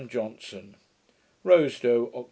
JOHNSON Rosedow, Oct.